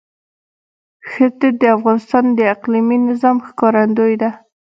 ښتې د افغانستان د اقلیمي نظام ښکارندوی ده.